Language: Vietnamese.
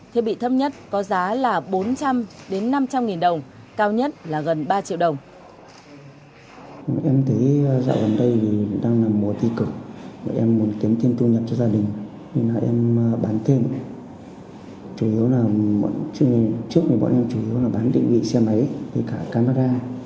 thiết bị thấp nhất có giá là bốn trăm linh năm trăm linh nghìn đồng cao nhất là gần ba triệu đồng